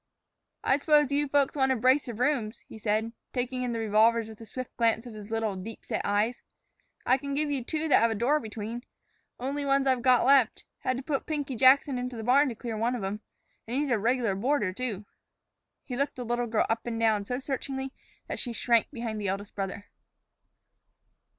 "I suppose you folks want a brace of rooms," he said, taking in the revolvers with a swift glance of his little, deep set eyes. "I can give you two that have a door between. Only ones I've got left. Had to put Pinky Jackson into the barn to clear one of 'em. And he's a reg'lar boarder, too." He looked the little girl up and down so searchingly that she shrank behind the eldest brother.